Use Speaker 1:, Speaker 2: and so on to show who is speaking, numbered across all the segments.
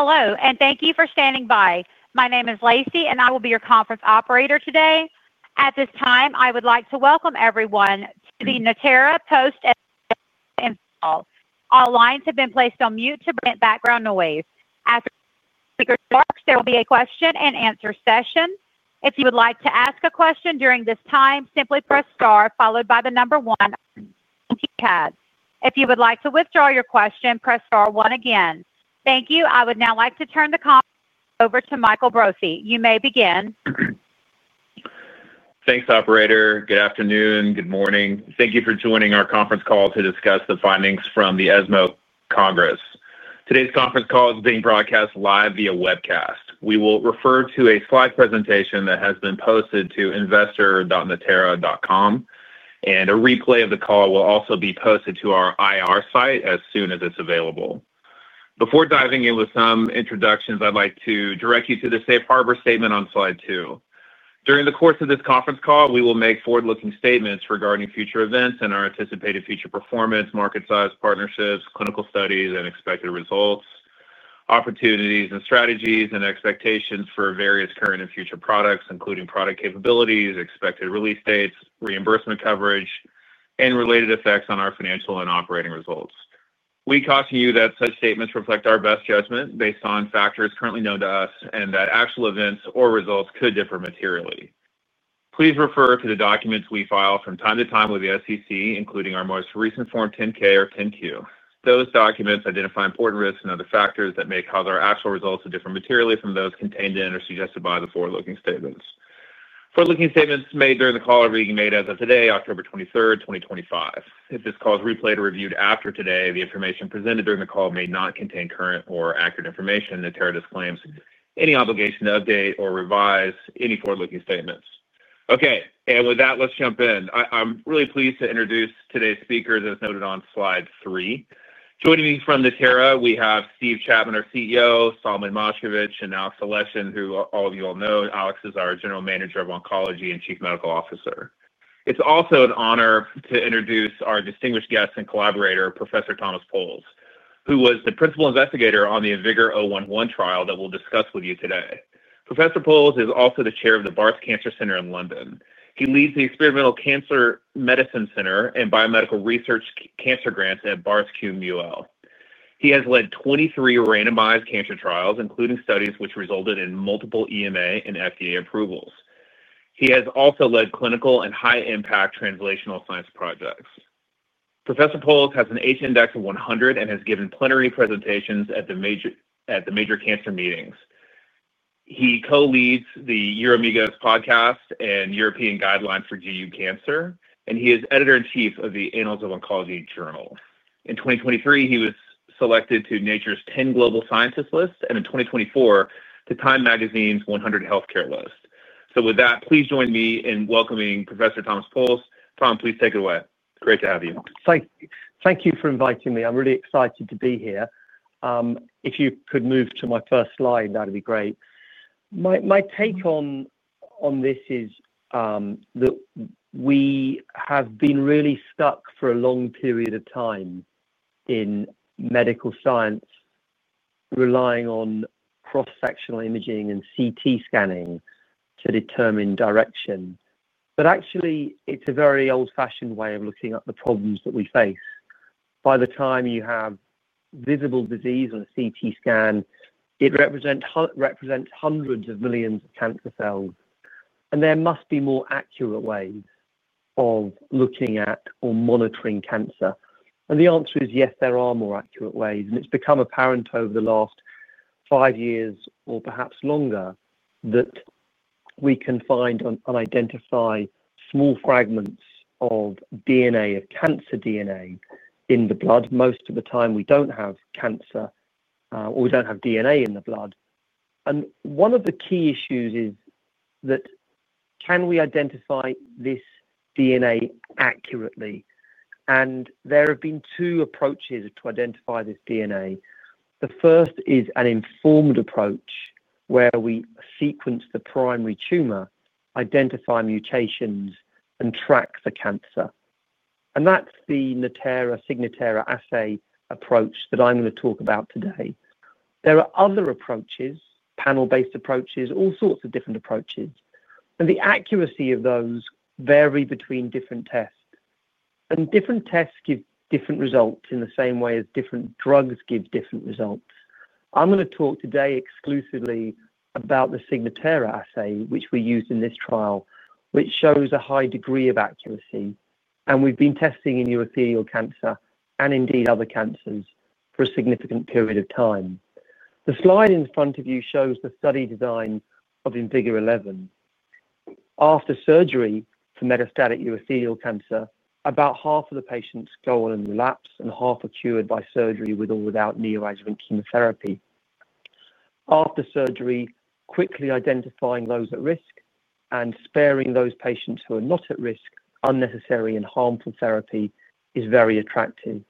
Speaker 1: Hello, and thank you for standing by. My name is Lacey, and I will be your conference operator today. At this time, I would like to welcome everyone to the Natera post-earnings call. All lines have been placed on mute to prevent background noise. After speaker starts, there will be a question-and-answer session. If you would like to ask a question during this time, simply press star followed by the number one on your keypad. If you would like to withdraw your question, press star one again. Thank you. I would now like to turn the conference call over to Michael Brophy. You may begin.
Speaker 2: Thanks, operator. Good afternoon, good morning. Thank you for joining our conference call to discuss the findings from the ESMO Congress. Today's conference call is being broadcast live via webcast. We will refer to a slide presentation that has been posted to investor.natera.com, and a replay of the call will also be posted to our IR site as soon as it's available. Before diving in with some introductions, I'd like to direct you to the safe harbor statement on slide two. During the course of this conference call, we will make forward-looking statements regarding future events and our anticipated future performance, market size, partnerships, clinical studies, and expected results, opportunities and strategies, and expectations for various current and future products, including product capabilities, expected release dates, reimbursement coverage, and related effects on our financial and operating results. We caution you that such statements reflect our best judgment based on factors currently known to us and that actual events or results could differ materially. Please refer to the documents we file from time to time with the SEC, including our most recent Form 10-K or 10-Q. Those documents identify important risks and other factors that may cause our actual results to differ materially from those contained in or suggested by the forward-looking statements. Forward-looking statements made during the call are being made as of today, October 23rd, 2025. If this call is replayed or reviewed after today, the information presented during the call may not contain current or accurate information, and Natera disclaims any obligation to update or revise any forward-looking statements. Okay. With that, let's jump in. I'm really pleased to introduce today's speakers as noted on slide three. Joining me from Natera, we have Steve Chapman, our CEO, Solomon Moshkevich, and Alexey Aleshin, who all of you know. Alexey is our General Manager of Oncology and Chief Medical Officer. It's also an honor to introduce our distinguished guest and collaborator, Professor Thomas Powles, who was the principal investigator on the IMvigor011 trial that we'll discuss with you today. Professor Powles is also the Chair of the Barts Cancer Centre in London. He leads the Experimental Cancer Medicine Centre and biomedical research cancer grants at Barts QMUL. He has led 23 randomized cancer trials, including studies which resulted in multiple EMA and FDA approvals. He has also led clinical and high-impact translational science projects. Professor Powles has an H-index of 100 and has given plenary presentations at the major cancer meetings. He co-leads the Euromigos Podcast and European Guidelines for GU Cancer, and he is Editor-in-Chief of the Annals of Oncology Journal. In 2023, he was selected to Nature's 10 Global Scientists list, and in 2024, to Time Magazine's 100 Healthcare list. With that, please join me in welcoming Professor Thomas Powles. Thomas, please take it away. It's great to have you.
Speaker 3: Thank you. Thank you for inviting me. I'm really excited to be here. If you could move to my first slide, that'd be great. My take on this is that we have been really stuck for a long period of time in medical science, relying on cross-sectional imaging and CT scanning to determine direction. It's a very old-fashioned way of looking at the problems that we face. By the time you have visible disease on a CT scan, it represents hundreds of millions of cancer cells. There must be more accurate ways of looking at or monitoring cancer. The answer is yes, there are more accurate ways. It's become apparent over the last five years, or perhaps longer, that we can find and identify small fragments of DNA, of cancer DNA, in the blood. Most of the time, we don't have cancer, or we don't have DNA in the blood. One of the key issues is can we identify this DNA accurately? There have been two approaches to identify this DNA. The first is an informed approach, where we sequence the primary tumor, identify mutations, and track the cancer. That's the Natera Signatera assay approach that I'm going to talk about today. There are other approaches, panel-based approaches, all sorts of different approaches. The accuracy of those varies between different tests. Different tests give different results in the same way as different drugs give different results. I'm going to talk today exclusively about the Signatera assay, which we used in this trial, which shows a high degree of accuracy. We've been testing in urothelial cancer and indeed other cancers for a significant period of time. The slide in front of you shows the study design of IMvigor011. After surgery for metastatic urothelial cancer, about half of the patients go on and relapse, and half are cured by surgery with or without neoadjuvant chemotherapy. After surgery, quickly identifying those at risk and sparing those patients who are not at risk unnecessary and harmful therapy is very attractive.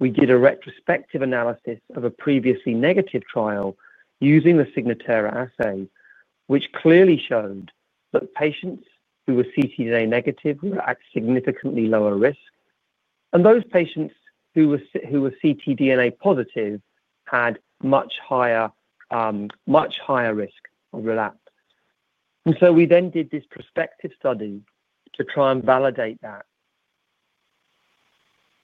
Speaker 3: We did a retrospective analysis of a previously negative trial using the Signatera assay, which clearly showed that patients who were ctDNA negative were at significantly lower risk. Those patients who were ctDNA positive had much higher risk of relapse. We then did this prospective study to try and validate that.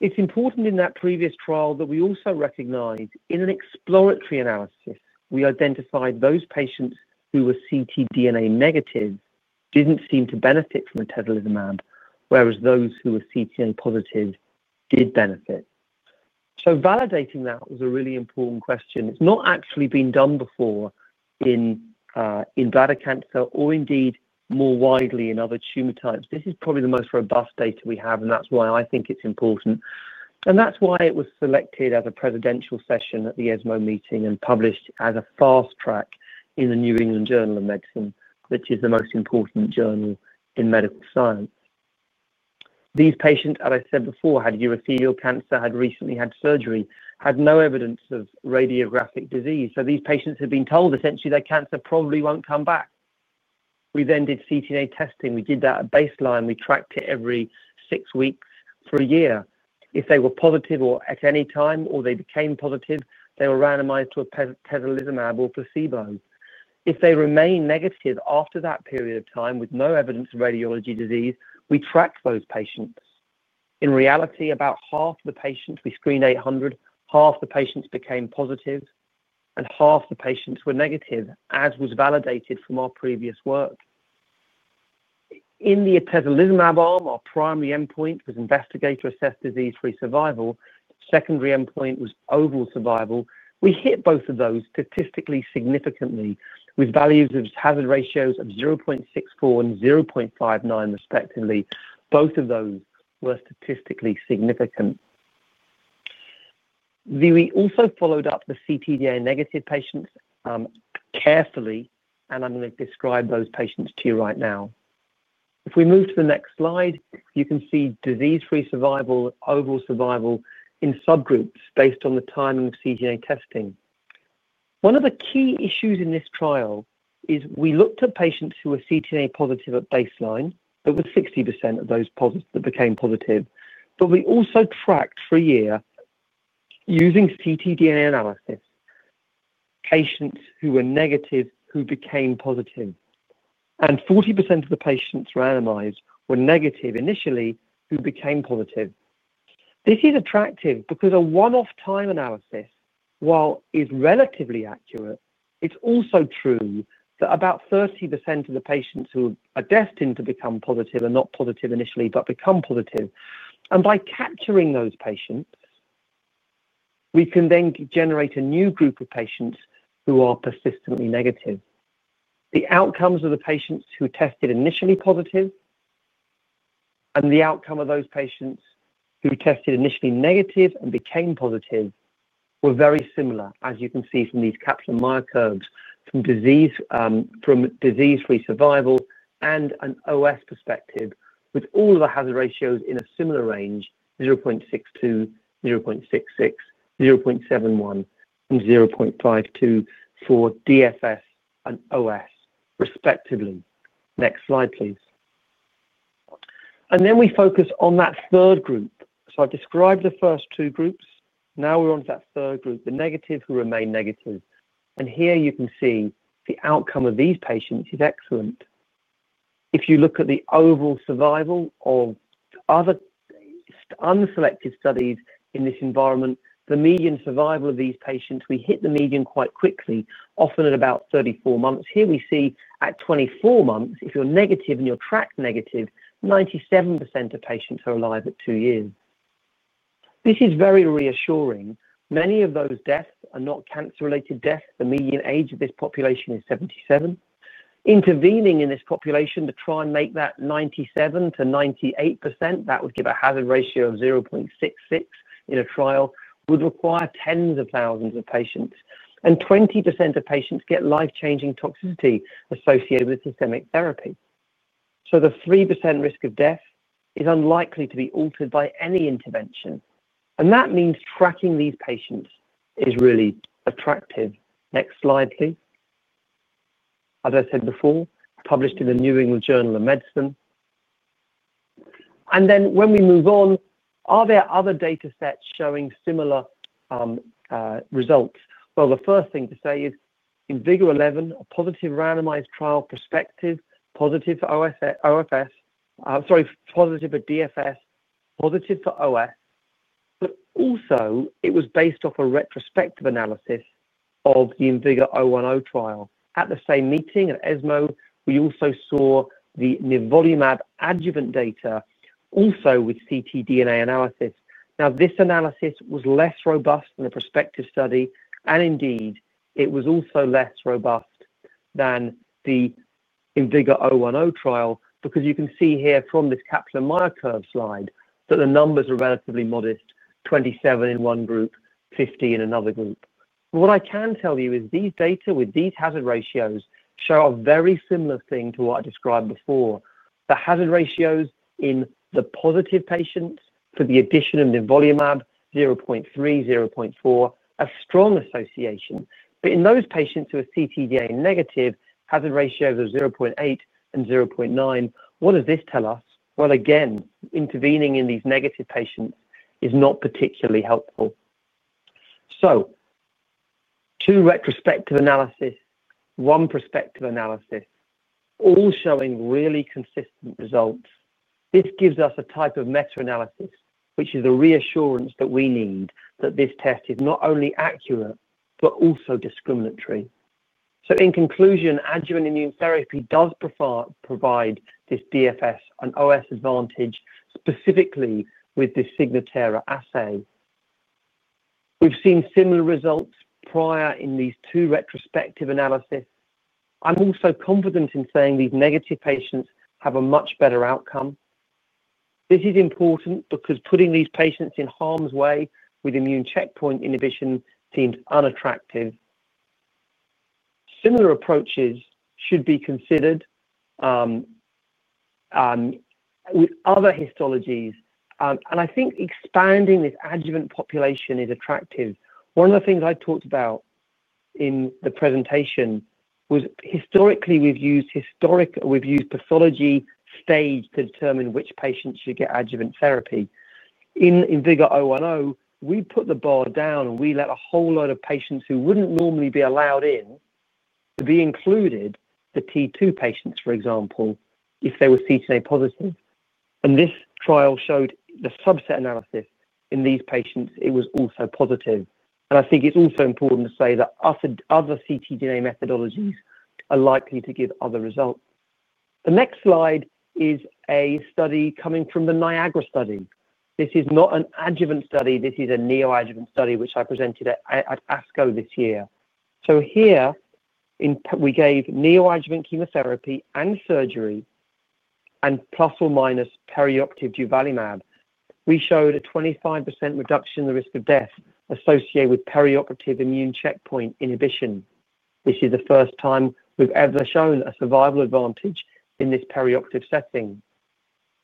Speaker 3: It's important in that previous trial that we also recognize in an exploratory analysis, we identified those patients who were ctDNA negative didn't seem to benefit from atezolizumab, whereas those who were ctDNA positive did benefit. Validating that was a really important question. It's not actually been done before in bladder cancer or indeed more widely in other tumor types. This is probably the most robust data we have, and that's why I think it's important. That's why it was selected as a presidential session at the ESMO meet and published as a fast track in the New England Journal of Medicine, which is the most important journal in medical science. These patients, as I said before, had urothelial cancer, had recently had surgery, had no evidence of radiographic disease. These patients had been told essentially their cancer probably won't come back. We then did ctDNA testing. We did that at baseline. We tracked it every six weeks for a year. If they were positive at any time or they became positive, they were randomized to atezolizumab or placebo. If they remain negative after that period of time with no evidence of radiology disease, we tracked those patients. In reality, about half of the patients—we screened 800—half the patients became positive, and half the patients were negative, as was validated from our previous work. In the atezolizumab arm, our primary endpoint was investigator-assessed disease-free survival. Secondary endpoint was overall survival. We hit both of those statistically significantly with values of hazard ratios of 0.64 and 0.59, respectively. Both of those were statistically significant. We also followed up the ctDNA negative patients carefully, and I'm going to describe those patients to you right now. If we move to the next slide, you can see disease-free survival, overall survival in subgroups based on the timing of ctDNA testing. One of the key issues in this trial is we looked at patients who were ctDNA positive at baseline. That was 60% of those that became positive. We also tracked for a year, using ctDNA analysis, patients who were negative who became positive. 40% of the patients randomized were negative initially who became positive. This is attractive because a one-off time analysis, while it's relatively accurate, it's also true that about 30% of the patients who are destined to become positive are not positive initially but become positive. By capturing those patients, we can then generate a new group of patients who are persistently negative. The outcomes of the patients who tested initially positive and the outcome of those patients who tested initially negative and became positive were very similar, as you can see from these Kaplan-Meier curves from disease-free survival and an overall survival perspective, with all of the hazard ratios in a similar range: 0.62, 0.66, 0.71, and 0.52 for disease-free survival and overall survival, respectively. Next slide, please. We focus on that third group. I've described the first two groups. Now we're on to that third group, the negatives who remain negative. Here you can see the outcome of these patients is excellent. If you look at the overall survival of other unselected studies in this environment, the median survival of these patients, we hit the median quite quickly, often at about 34 months. Here we see at 24 months, if you're negative and you're tracked negative, 97% of patients are alive at two years. This is very reassuring. Many of those deaths are not cancer-related deaths. The median age of this population is 77. Intervening in this population to try and make that 97%-98%, that would give a hazard ratio of 0.66 in a trial, would require tens of thousands of patients. 20% of patients get life-changing toxicity associated with systemic therapy. The 3% risk of death is unlikely to be altered by any intervention. That means tracking these patients is really attractive. Next slide, please. As I said before, published in the New England Journal of Medicine. When we move on, are there other data sets showing similar results? The first thing to say is IMvigor011, a positive randomized trial prospective, positive for overall survival, sorry, positive for disease-free survival, positive for overall survival. It was also based off a retrospective analysis of the IMvigor010 trial. At the same meeting at ESMO, we also saw the nivolumab adjuvant data, also with circulating tumor DNA analysis. This analysis was less robust than the prospective study. It was also less robust than the IMvigor010 trial because you can see here from this Kaplan-Meier curve slide that the numbers are relatively modest, 27 in one group, 50 in another group. What I can tell you is these data with these hazard ratios show a very similar thing to what I described before. The hazard ratios in the positive patients for the addition of nivolumab, 0.3, 0.4, a strong association. In those patients who are ctDNA negative, hazard ratios are 0.8 and 0.9. What does this tell us? Again, intervening in these negative patients is not particularly helpful. Two retrospective analyses and one prospective analysis all show really consistent results. This gives us a type of meta-analysis, which is the reassurance that we need that this test is not only accurate but also discriminatory. In conclusion, adjuvant immunotherapy does provide this DFS and OS advantage, specifically with this Signatera assay. We've seen similar results prior in these two retrospective analyses. I'm also confident in saying these negative patients have a much better outcome. This is important because putting these patients in harm's way with immune checkpoint inhibition seems unattractive. Similar approaches should be considered with other histologies. I think expanding this adjuvant population is attractive. One of the things I talked about in the presentation was historically, we've used pathology stage to determine which patients should get adjuvant therapy. In IMvigor010, we put the bar down, and we let a whole load of patients who wouldn't normally be allowed in to be included, the T2 patients, for example, if they were ctDNA positive. This trial showed the subset analysis in these patients, it was also positive. I think it's also important to say that other ctDNA methodologies are likely to give other results. The next slide is a study coming from the NIAGARA study. This is not an adjuvant study. This is a neoadjuvant study, which I presented at ASCO this year. Here, we gave neoadjuvant chemotherapy and surgery, and plus or minus perioperative durvalumab. We showed a 25% reduction in the risk of death associated with perioperative immune checkpoint inhibition. This is the first time we've ever shown a survival advantage in this perioperative setting.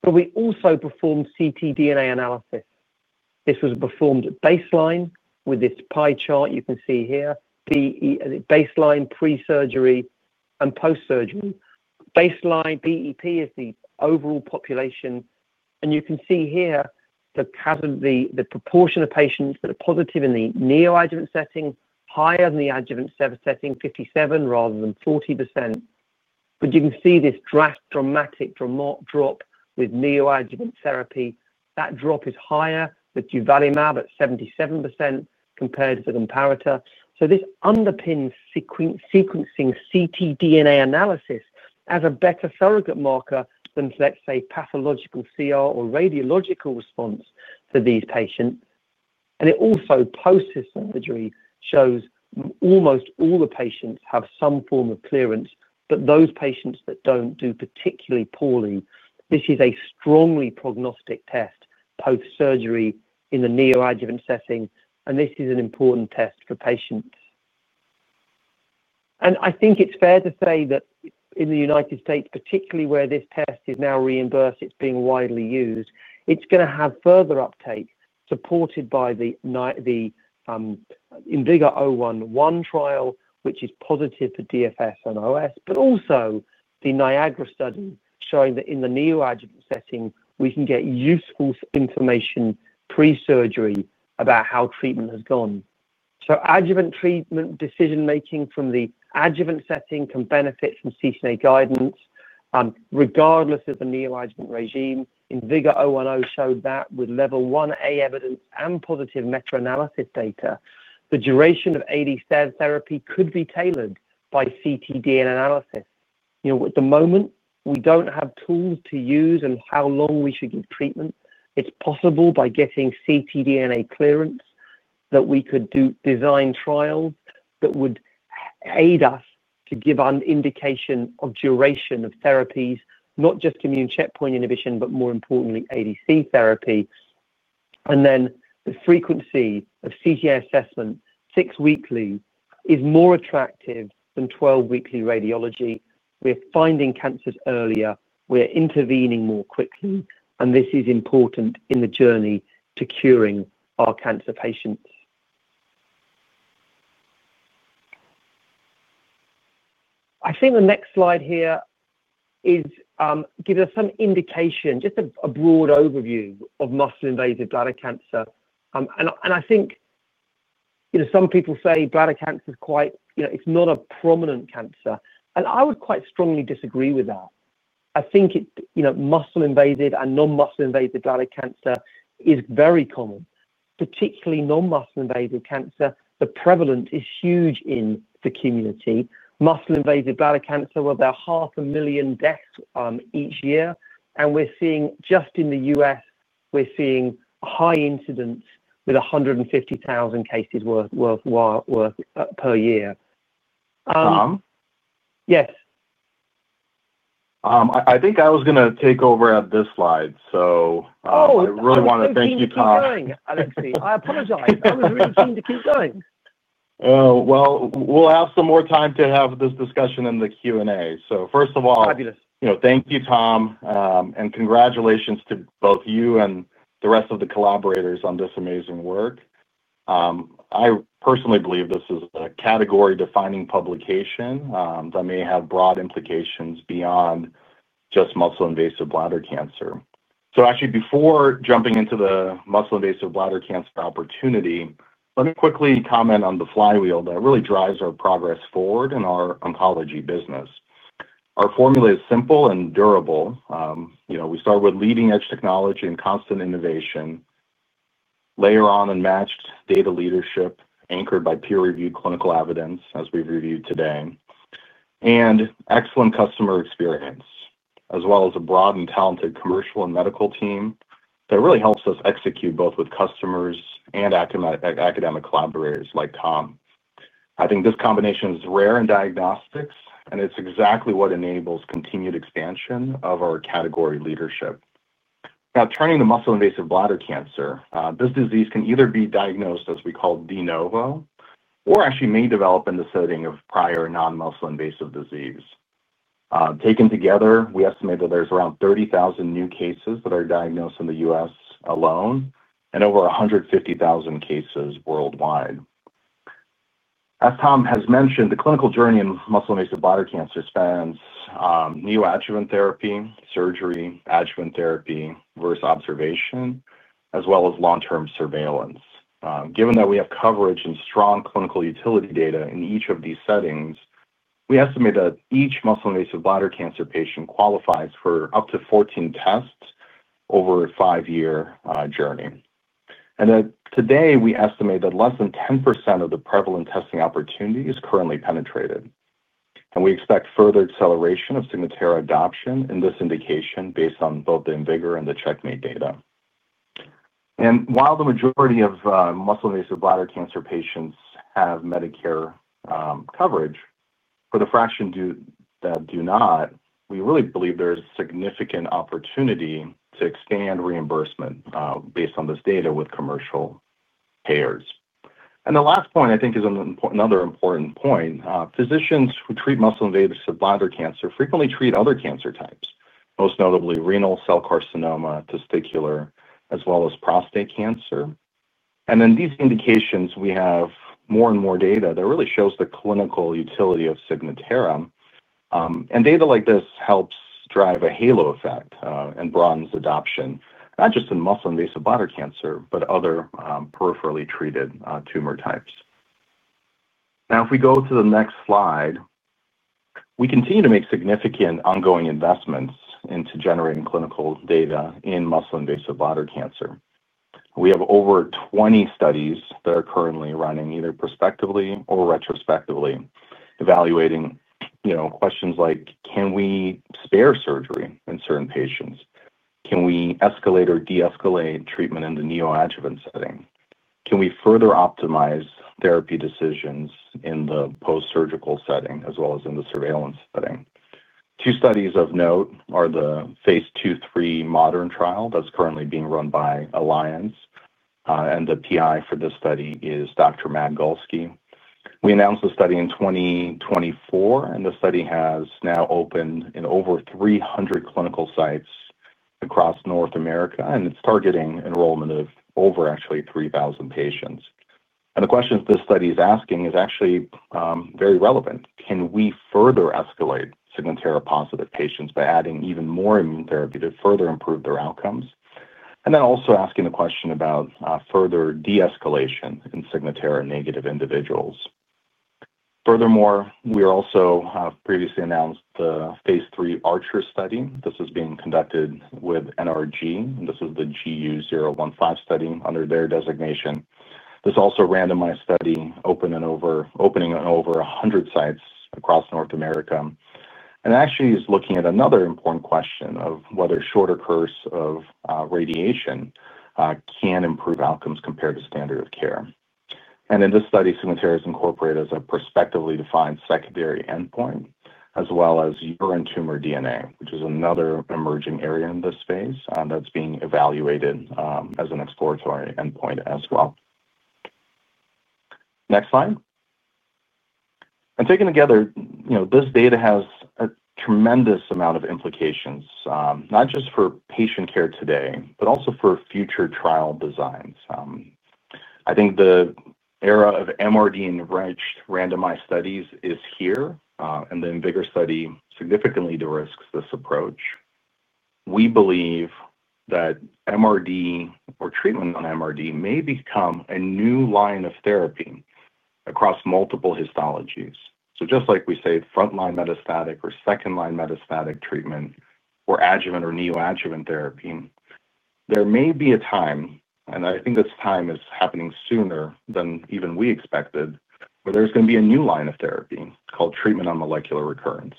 Speaker 3: We also performed ctDNA analysis. This was performed at baseline with this pie chart you can see here, baseline, pre-surgery, and post-surgery. Baseline BEP is the overall population. You can see here the proportion of patients that are positive in the neoadjuvant setting is higher than the adjuvant setting, 57% rather than 40%. You can see this dramatic drop with neoadjuvant therapy. That drop is higher with durvalumab at 77% compared to the comparator. This underpins sequencing circulating tumor DNA analysis as a better surrogate marker than, let's say, pathological CR or radiological response to these patients. It also post-surgery shows almost all the patients have some form of clearance, but those patients that don't do particularly poorly. This is a strongly prognostic test, post-surgery in the neoadjuvant setting. This is an important test for patients. I think it's fair to say that in the U.S., particularly where this test is now reimbursed, it's being widely used. It's going to have further uptake supported by the IMvigor011 trial, which is positive for disease-free survival and overall survival, but also the NIAGARA study showing that in the neoadjuvant setting, we can get useful information pre-surgery about how treatment has gone. Adjuvant treatment decision-making from the adjuvant setting can benefit from circulating tumor DNA guidance, regardless of the neoadjuvant regime. IMvigor010 showed that with Level 1A evidence and positive meta-analysis data, the duration of ADCED therapy could be tailored by circulating tumor DNA analysis. At the moment, we don't have tools to use and how long we should give treatment. It's possible by getting circulating tumor DNA clearance that we could design trials that would aid us to give an indication of duration of therapies, not just immune checkpoint inhibition, but more importantly, ADC therapy. The frequency of circulating tumor DNA assessment, six weekly, is more attractive than 12 weekly radiology. We are finding cancers earlier. We are intervening more quickly. This is important in the journey to curing our cancer patients. I think the next slide here gives us some indication, just a broad overview of muscle-invasive bladder cancer. Some people say bladder cancer is quite, you know, it's not a prominent cancer. I would quite strongly disagree with that. I think muscle-invasive and non-muscle-invasive bladder cancer is very common. Particularly non-muscle-invasive cancer, the prevalence is huge in the community. Muscle-invasive bladder cancer, there are half a million deaths each year. We're seeing, just in the U.S., we're seeing high incidence with 150,000 cases worth per year.
Speaker 4: Tom?
Speaker 3: Yes?
Speaker 4: I think I was going to take over at this slide. I really want to thank you, Tom.
Speaker 3: Oh, thank you for keeping going, Alexey. I apologize. I was really keen to keep going.
Speaker 4: We'll have some more time to have this discussion in the Q&A. First of all.
Speaker 3: Fabulous.
Speaker 4: Thank you, Tom. Congratulations to both you and the rest of the collaborators on this amazing work. I personally believe this is a category-defining publication that may have broad implications beyond just muscle-invasive bladder cancer. Before jumping into the muscle-invasive bladder cancer opportunity, let me quickly comment on the flywheel that really drives our progress forward in our oncology business. Our formula is simple and durable. We start with leading-edge technology and constant innovation, layer on unmatched data leadership anchored by peer-reviewed clinical evidence, as we've reviewed today, and excellent customer experience, as well as a broad and talented commercial and medical team that really helps us execute both with customers and academic collaborators like Tom. I think this combination is rare in diagnostics, and it's exactly what enables continued expansion of our category leadership. Now, turning to muscle-invasive bladder cancer, this disease can either be diagnosed as we call de novo or may develop in the setting of prior non-muscle-invasive disease. Taken together, we estimate that there's around 30,000 new cases that are diagnosed in the U.S. alone and over 150,000 cases worldwide. As Tom has mentioned, the clinical journey in muscle-invasive bladder cancer spans neoadjuvant therapy, surgery, adjuvant therapy versus observation, as well as long-term surveillance. Given that we have coverage and strong clinical utility data in each of these settings, we estimate that each muscle-invasive bladder cancer patient qualifies for up to 14 tests over a five-year journey. Today, we estimate that less than 10% of the prevalent testing opportunity is currently penetrated. We expect further acceleration of Signatera adoption in this indication based on both the IMvigor and the CheckMate data. While the majority of muscle-invasive bladder cancer patients have Medicare coverage, for the fraction that do not, we really believe there's a significant opportunity to expand reimbursement based on this data with commercial payers. The last point I think is another important point. Physicians who treat muscle-invasive bladder cancer frequently treat other cancer types, most notably renal cell carcinoma, testicular, as well as prostate cancer. In these indications, we have more and more data that really shows the clinical utility of Signatera. Data like this helps drive a halo effect and broadens adoption, not just in muscle-invasive bladder cancer, but other peripherally treated tumor types. If we go to the next slide, we continue to make significant ongoing investments into generating clinical data in muscle-invasive bladder cancer. We have over 20 studies that are currently running either prospectively or retrospectively, evaluating questions like, can we spare surgery in certain patients? Can we escalate or de-escalate treatment in the neoadjuvant setting? Can we further optimize therapy decisions in the post-surgical setting as well as in the surveillance setting? Two studies of note are the phase II/III MODERN trial that's currently being run by Alliance. The PI for this study is Dr. Matt Golsky. We announced the study in 2024, and the study has now opened in over 300 clinical sites across North America, and it's targeting enrollment of over actually 3,000 patients. The questions this study is asking are actually very relevant. Can we further escalate Signatera positive patients by adding even more immune therapy to further improve their outcomes? Also asking the question about further de-escalation in Signatera negative individuals. Furthermore, we also have previously announced the phase III ARCHER study. This is being conducted with NRG, and this is the GU015 study under their designation. This also randomized study opening in over 100 sites across North America. It actually is looking at another important question of whether a shorter course of radiation can improve outcomes compared to standard of care. In this study, Signatera is incorporated as a prospectively defined secondary endpoint, as well as urine tumor DNA, which is another emerging area in this phase that's being evaluated as an exploratory endpoint as well. Next slide. Taken together, this data has a tremendous amount of implications, not just for patient care today, but also for future trial designs. I think the era of MRD-enriched randomized studies is here, and the IMvigor study significantly de-risks this approach. We believe that MRD or treatment on MRD may become a new line of therapy across multiple histologies. Just like we say front-line metastatic or second-line metastatic treatment or adjuvant or neoadjuvant therapy, there may be a time, and I think this time is happening sooner than even we expected, where there's going to be a new line of therapy called treatment on molecular recurrence.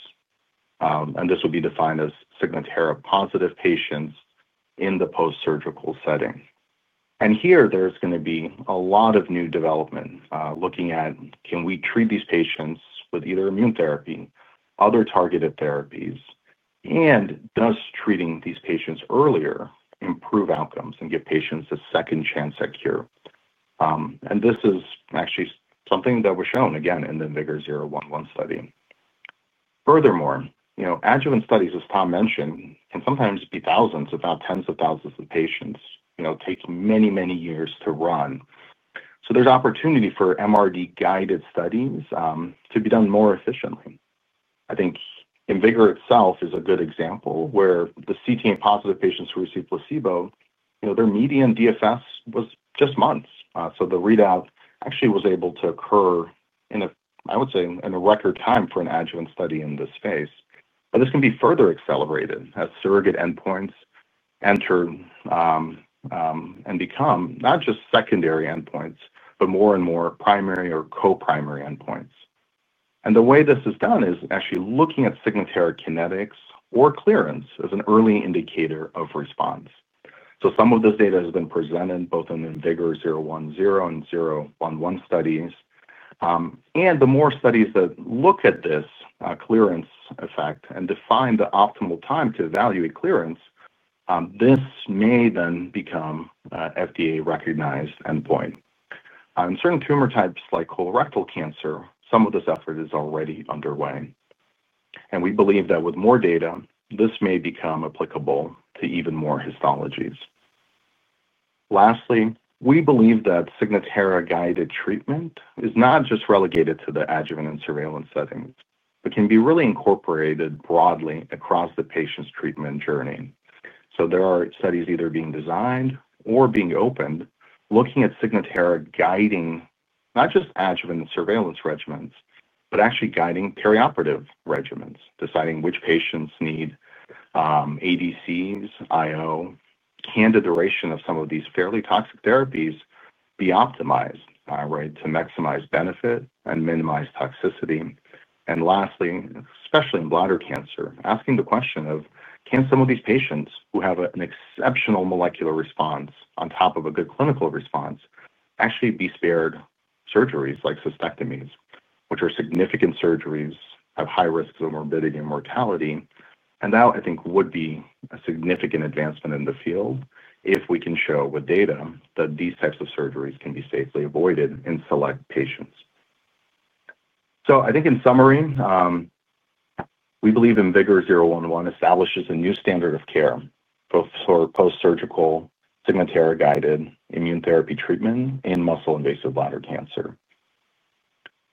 Speaker 4: This would be defined as Signatera positive patients in the post-surgical setting. Here, there's going to be a lot of new development looking at can we treat these patients with either immune therapy, other targeted therapies, and thus treating these patients earlier, improve outcomes, and give patients a second chance at cure. This is actually something that was shown again in the IMvigor011 study. Furthermore, adjuvant studies, as Tom mentioned, can sometimes be thousands, if not tens of thousands of patients, and take many, many years to run. There's opportunity for MRD-guided studies to be done more efficiently. I think IMvigor itself is a good example where the ctDNA positive patients who receive placebo, their median DFS was just months. The readout actually was able to occur in, I would say, in a record time for an adjuvant study in this space. This can be further accelerated as surrogate endpoints enter and become not just secondary endpoints, but more and more primary or co-primary endpoints. The way this is done is actually looking at Signatera kinetics or clearance as an early indicator of response. Some of this data has been presented both in IMvigor010 and IMvigor011 studies. The more studies that look at this clearance effect and define the optimal time to evaluate clearance, this may then become an FDA-recognized endpoint. In certain tumor types like colorectal cancer, some of this effort is already underway. We believe that with more data, this may become applicable to even more histologies. Lastly, we believe that Signatera-guided treatment is not just relegated to the adjuvant and surveillance settings, but can be really incorporated broadly across the patient's treatment journey. There are studies either being designed or being opened looking at Signatera guiding not just adjuvant and surveillance regimens, but actually guiding perioperative regimens, deciding which patients need ADCs, IO, can the duration of some of these fairly toxic therapies be optimized to maximize benefit and minimize toxicity. Lastly, especially in bladder cancer, asking the question of can some of these patients who have an exceptional molecular response on top of a good clinical response actually be spared surgeries like cystectomies, which are significant surgeries, have high risks of morbidity and mortality. That, I think, would be a significant advancement in the field if we can show with data that these types of surgeries can be safely avoided in select patients. In summary, we believe IMvigor011 establishes a new standard of care both for post-surgical Signatera-guided immune therapy treatment in muscle-invasive bladder cancer.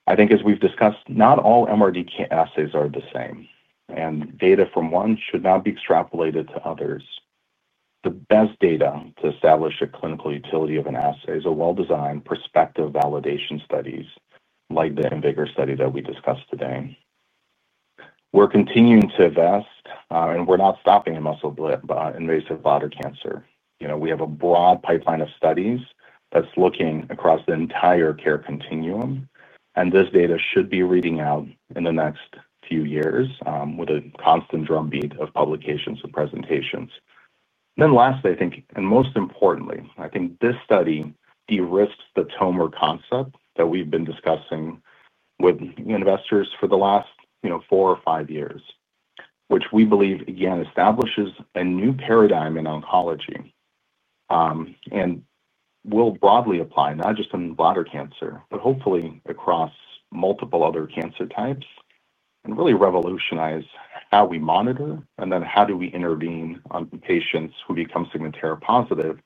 Speaker 4: As we've discussed, not all MRD assays are the same, and data from one should not be extrapolated to others. The best data to establish a clinical utility of an assay is a well-designed prospective validation studies like the IMvigor study that we discussed today. We're continuing to invest, and we're not stopping in muscle-invasive bladder cancer. We have a broad pipeline of studies that's looking across the entire care continuum. This data should be reading out in the next few years with a constant drumbeat of publications and presentations. Most importantly, I think this study de-risks the TOMER concept that we've been discussing with investors for the last four or five years, which we believe, again, establishes a new paradigm in oncology and will broadly apply not just in bladder cancer, but hopefully across multiple other cancer types and really revolutionize how we monitor and then how do we intervene on patients who become Signatera positive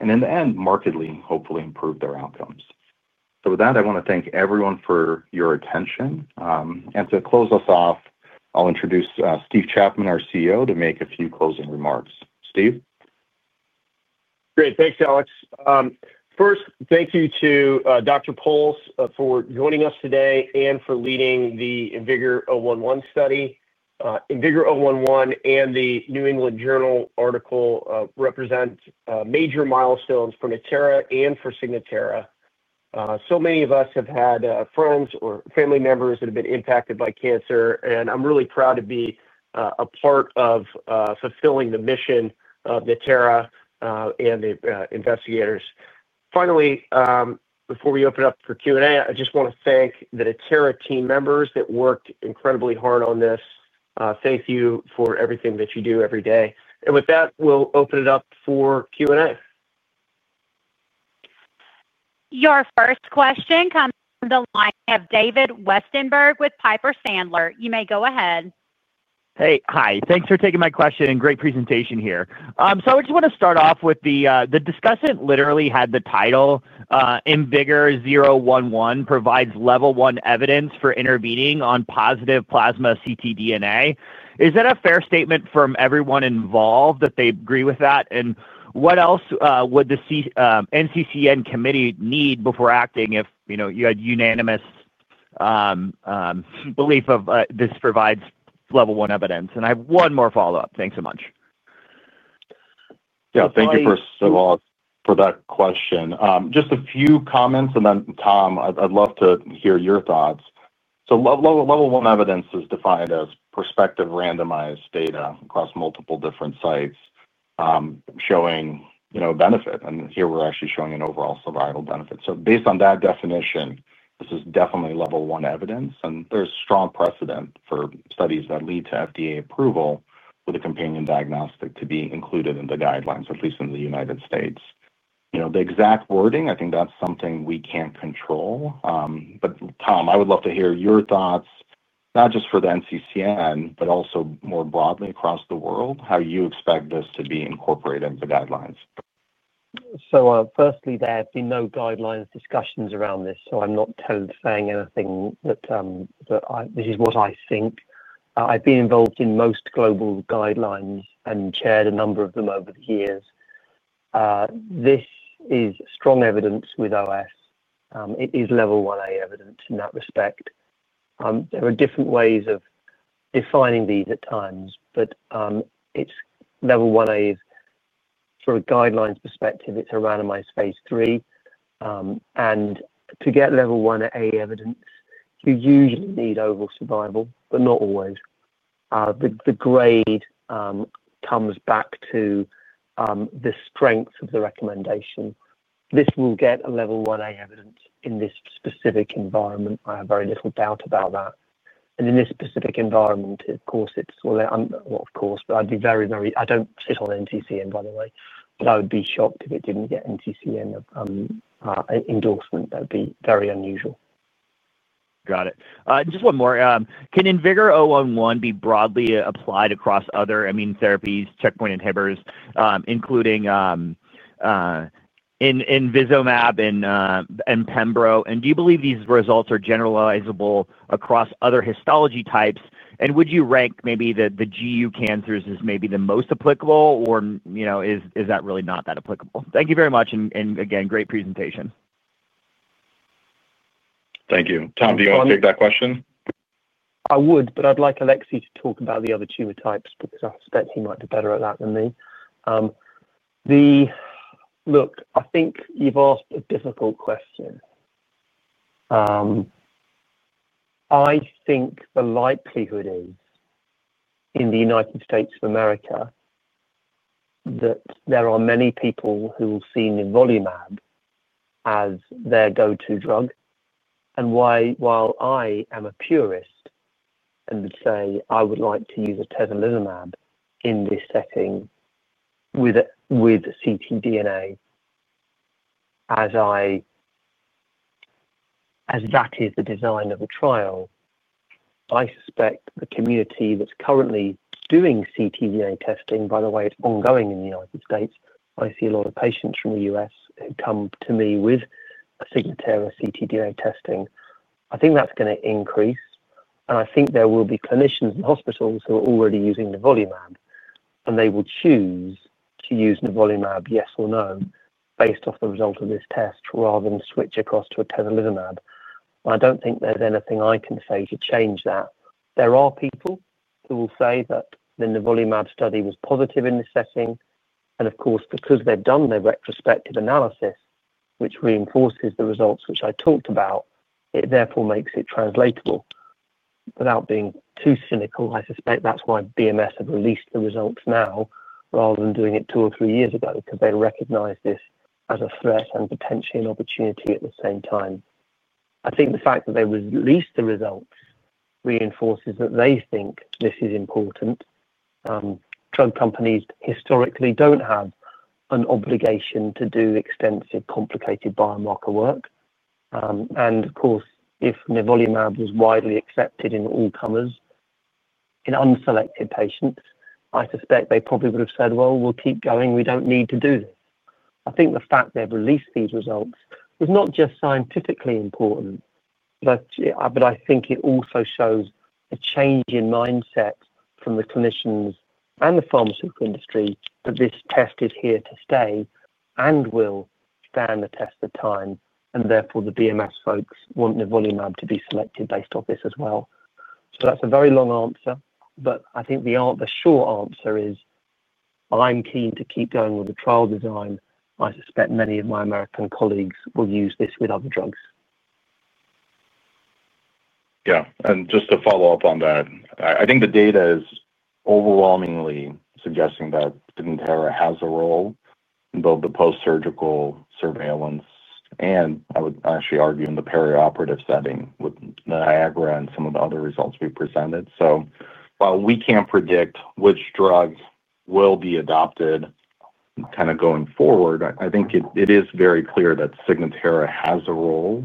Speaker 4: and, in the end, markedly, hopefully, improve their outcomes. With that, I want to thank everyone for your attention. To close us off, I'll introduce Steve Chapman, our CEO, to make a few closing remarks. Steve?
Speaker 5: Great. Thanks, Alex. First, thank you to Professor Thomas Powles for joining us today and for leading the IMvigor011 study. IMvigor011 and the New England Journal of Medicine article represent major milestones for Natera and for Signatera. Many of us have had friends or family members that have been impacted by cancer. I'm really proud to be a part of fulfilling the mission of Natera and the investigators. Finally, before we open up for Q&A, I just want to thank the Natera team members that worked incredibly hard on this. Thank you for everything that you do every day. With that, we'll open it up for Q&A.
Speaker 1: Your first question comes from the line of David Westenberg with Piper Sandler. You may go ahead.
Speaker 6: Hi. Thanks for taking my question and great presentation here. I would just want to start off with the discussion. Literally had the title, "IMvigor011 provides level one evidence for intervening on positive plasma ctDNA." Is that a fair statement from everyone involved that they agree with that? What else would the NCCN committee need before acting if you had unanimous belief this provides level one evidence? I have one more follow-up. Thanks so much.
Speaker 4: Thank you, first of all, for that question. Just a few comments, and then, Tom, I'd love to hear your thoughts. Level one evidence is defined as prospective randomized data across multiple different sites showing benefit. Here, we're actually showing an overall survival benefit. Based on that definition, this is definitely level one evidence. There's strong precedent for studies that lead to FDA approval with a companion diagnostic to be included in the guidelines, at least in the United States. The exact wording, I think that's something we can't control. Tom, I would love to hear your thoughts, not just for the NCCN, but also more broadly across the world, how you expect this to be incorporated into the guidelines.
Speaker 3: Firstly, there have been no guidelines discussions around this. I'm not told saying anything that this is what I think. I've been involved in most global guidelines and chaired a number of them over the years. This is strong evidence with OS. It is Level 1A evidence in that respect. There are different ways of defining these at times, but Level 1A is, from a guidelines perspective, it's a randomized phase III. To get Level 1A evidence, you usually need overall survival, but not always. The grade comes back to the strength of the recommendation. This will get a Level 1A evidence in this specific environment. I have very little doubt about that. In this specific environment, of course, I'd be very, very—I don't sit on NCCN, by the way, but I would be shocked if it didn't get NCCN endorsement. That would be very unusual.
Speaker 6: Got it. Just one more. Can IMvigor011 be broadly applied across other immune therapies, checkpoint inhibitors, including atezolizumab and pembro? Do you believe these results are generalizable across other histology types? Would you rank maybe the GU cancers as maybe the most applicable, or is that really not that applicable? Thank you very much. Again, great presentation.
Speaker 4: Thank you. Tom, do you want to take that question?
Speaker 3: I would, but I'd like Alexey to talk about the other tumor types because I suspect he might be better at that than me. Look, I think you've asked a difficult question. I think the likelihood is, in the U.S., that there are many people who will see nivolumab as their go-to drug. While I am a purist and would say I would like to use atezolizumab in this setting with ctDNA, as that is the design of the trial, I suspect the community that's currently doing ctDNA testing, by the way, it's ongoing in the U.S. I see a lot of patients from the U.S. who come to me with a Signatera ctDNA testing. I think that's going to increase. I think there will be clinicians in hospitals who are already using nivolumab, and they will choose to use nivolumab, yes or no, based off the result of this test rather than switch across to atezolizumab. I don't think there's anything I can say to change that. There are people who will say that the nivolumab study was positive in this setting. Of course, because they've done their retrospective analysis, which reinforces the results which I talked about, it therefore makes it translatable. Without being too cynical, I suspect that's why BMS have released the results now rather than doing it two or three years ago because they recognize this as a threat and potentially an opportunity at the same time. I think the fact that they've released the results reinforces that they think this is important. Drug companies historically don't have an obligation to do extensive, complicated biomarker work. Of course, if nivolumab was widely accepted in all comers in unselected patients, I suspect they probably would have said, "Well, we'll keep going. We don't need to do this." I think the fact they've released these results is not just scientifically important, but I think it also shows a change in mindset from the clinicians and the pharmaceutical industry that this test is here to stay and will stand the test of time. Therefore, the BMS folks want nivolumab to be selected based off this as well. That's a very long answer, but I think the short answer is I'm keen to keep going with the trial design. I suspect many of my American colleagues will use this with other drugs.
Speaker 4: Yeah. Just to follow up on that, I think the data is overwhelmingly suggesting that Signatera has a role in both the post-surgical surveillance, and I would actually argue in the perioperative setting with NIAGARA and some of the other results we've presented. While we can't predict which drug will be adopted going forward, I think it is very clear that Signatera has a role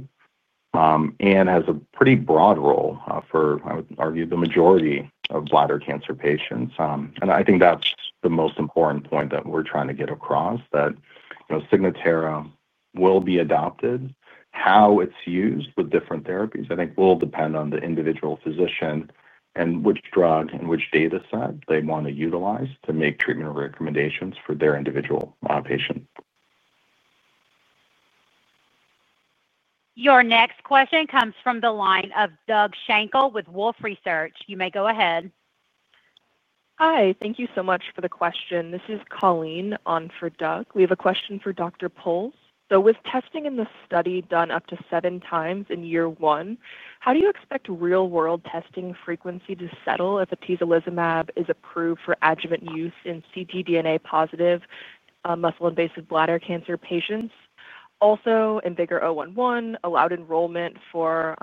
Speaker 4: and has a pretty broad role for, I would argue, the majority of bladder cancer patients. I think that's the most important point that we're trying to get across, that Signatera will be adopted. How it's used with different therapies, I think, will depend on the individual physician and which drug and which data set they want to utilize to make treatment recommendations for their individual patient.
Speaker 1: Your next question comes from the line of Doug Schenkel with Wolfe Research. You may go ahead. Hi. Thank you so much for the question. This is Colleen on for Doug. We have a question for Dr. Powles. With testing in the study done up to seven times in year one, how do you expect real-world testing frequency to settle if atezolizumab is approved for adjuvant use in ctDNA positive muscle-invasive bladder cancer patients? Also, IMvigor011 allowed enrollment for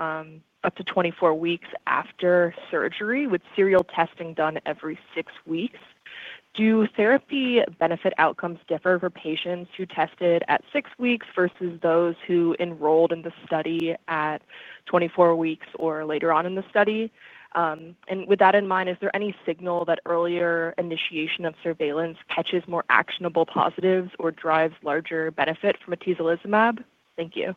Speaker 1: up to 24 weeks after surgery with serial testing done every six weeks. Do therapy benefit outcomes differ for patients who tested at six weeks versus those who enrolled in the study at 24 weeks or later on in the study? With that in mind, is there any signal that earlier initiation of surveillance catches more actionable positives or drives larger benefit from atezolizumab? Thank you.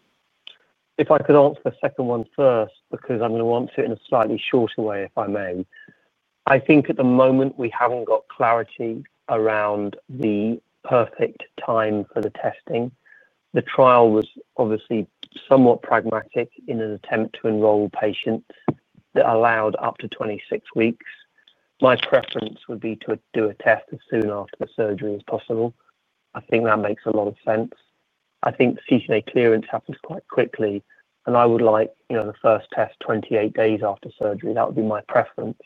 Speaker 3: If I could answer the second one first because I'm going to answer it in a slightly shorter way, if I may. I think at the moment, we haven't got clarity around the perfect time for the testing. The trial was obviously somewhat pragmatic in an attempt to enroll patients that allowed up to 26 weeks. My preference would be to do a test as soon after the surgery as possible. I think that makes a lot of sense. I think ctDNA clearance happens quite quickly. I would like, you know, the first test 28 days after surgery. That would be my preference.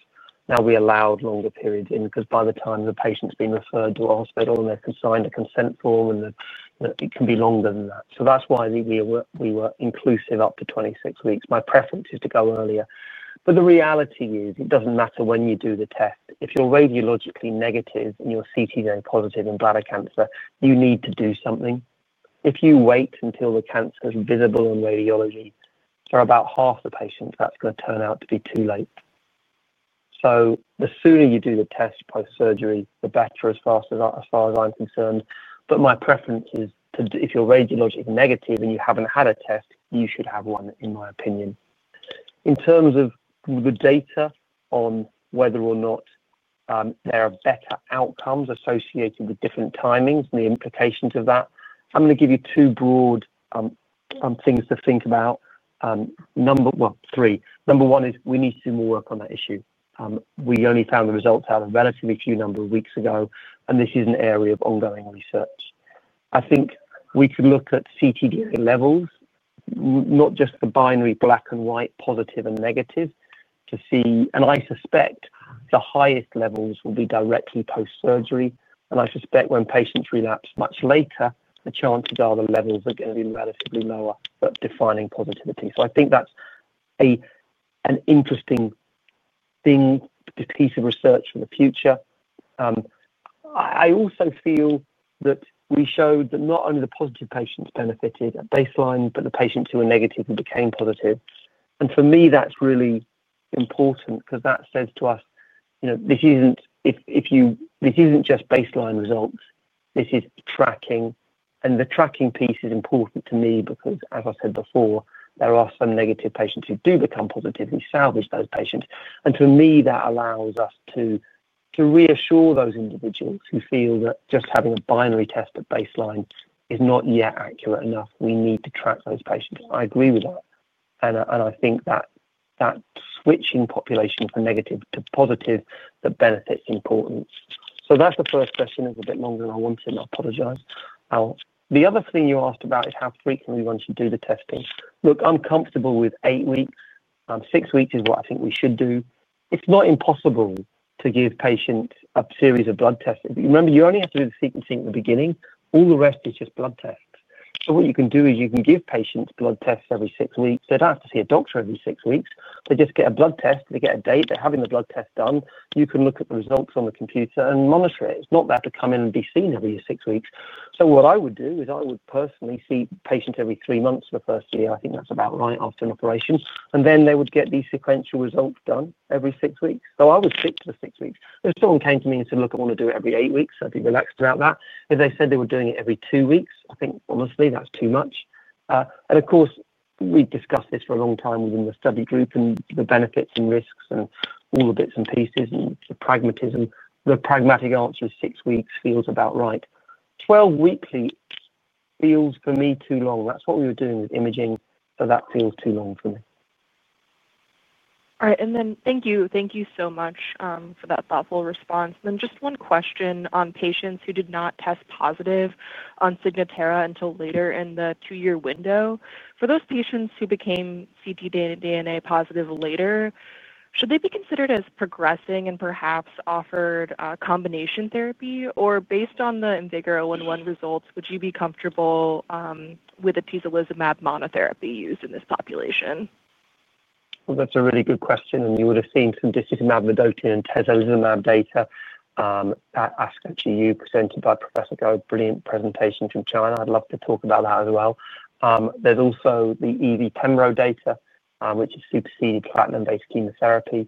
Speaker 3: We allowed longer periods in because by the time the patient's been referred to a hospital and they've signed a consent form, it can be longer than that. That's why we were inclusive up to 26 weeks. My preference is to go earlier. The reality is it doesn't matter when you do the test. If you're radiologically negative and you're ctDNA positive in bladder cancer, you need to do something. If you wait until the cancer is visible on radiology, there are about half the patients that's going to turn out to be too late. The sooner you do the test post-surgery, the better as far as I'm concerned. My preference is if you're radiologically negative and you haven't had a test, you should have one, in my opinion. In terms of the data on whether or not there are better outcomes associated with different timings and the implications of that, I'm going to give you two broad things to think about. Number, well, three. Number one is we need to do more work on that issue. We only found the results out a relatively few number of weeks ago. This is an area of ongoing research. I think we could look at ctDNA levels, not just the binary black and white, positive and negative, to see. I suspect the highest levels will be directly post-surgery. I suspect when patients relapse much later, the chances are the levels are going to be relatively lower at defining positivity. I think that's an interesting thing, a piece of research for the future. I also feel that we showed that not only the positive patients benefited at baseline, but the patients who were negative who became positive. For me, that's really important because that says to us, you know, this isn't just baseline results. This is tracking. The tracking piece is important to me because, as I said before, there are some negative patients who do become positive. We salvage those patients. To me, that allows us to reassure those individuals who feel that just having a binary test at baseline is not yet accurate enough. We need to track those patients. I agree with that. I think that switching population from negative to positive, that benefit's important. That's the first question. It was a bit longer than I wanted. I apologize. The other thing you asked about is how frequently one should do the testing. Look, I'm comfortable with eight weeks. Six weeks is what I think we should do. It's not impossible to give patients a series of blood tests. If you remember, you only have to do the sequencing at the beginning. All the rest is just blood tests. What you can do is you can give patients blood tests every six weeks. They don't have to see a doctor every six weeks. They just get a blood test. They get a date. They're having the blood test done. You can look at the results on the computer and monitor it. It's not that to come in and be seen every six weeks. What I would do is I would personally see patients every three months for the first year. I think that's about right after an operation. Then they would get these sequential results done every six weeks. I would stick to the six weeks. If someone came to me and said, "Look, I want to do it every eight weeks," I'd be relaxed about that. If they said they were doing it every two weeks, I think, honestly, that's too much. Of course, we discussed this for a long time within the study group and the benefits and risks and all the bits and pieces and the pragmatism. The pragmatic answer is six weeks feels about right. 12 weekly feels for me too long. That's what we were doing with imaging. That feels too long for me. All right. Thank you so much for that thoughtful response. Just one question on patients who did not test positive on Signatera until later in the two-year window. For those patients who became ctDNA positive later, should they be considered as progressing and perhaps offered a combination therapy? Based on the IMvigor011 results, would you be comfortable with atezolizumab monotherapy used in this population? That's a really good question. You would have seen some atezolizumab data at ASCO GU presented by Professor Go. Brilliant presentation from China. I'd love to talk about that as well. There's also the EV/pembro data, which has superseded platinum-based chemotherapy.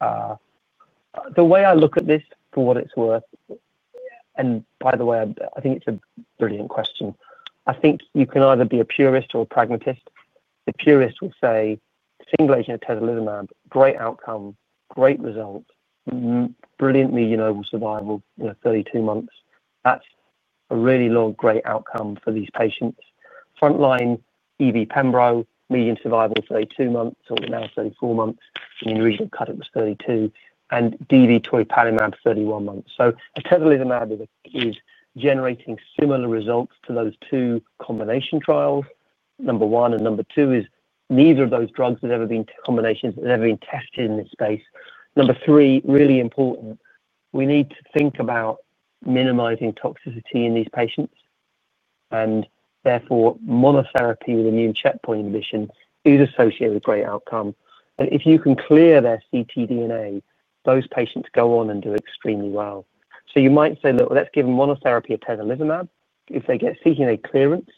Speaker 3: The way I look at this, for what it's worth, and by the way, I think it's a brilliant question. I think you can either be a purist or a pragmatist. The purist will say single agent atezolizumab, great outcome, great result, brilliantly, you know, survival, you know, 32 months. That's a really long great outcome for these patients. Frontline EV/pembro, median survival 32 months or now 34 months. I mean, the original cut was 32. And DV toripalimab 31 months. Atezolizumab is generating similar results to those two combination trials. Number one, and number two is neither of those drugs has ever been combinations that have ever been tested in this space. Number three, really important, we need to think about minimizing toxicity in these patients. Therefore, monotherapy with immune checkpoint inhibition is associated with great outcome. If you can clear their circulating tumor DNA, those patients go on and do extremely well. You might say, "Look, let's give monotherapy atezolizumab. If they get circulating tumor DNA clearance,